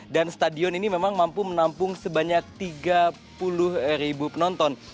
dan stadion ini memang mampu menampung sebanyak tiga puluh ribu penonton